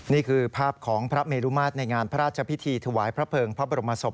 นี่คือภาพของพระเมรุมาตรในงานพระราชพิธีถวายพระเภิงพระบรมศพ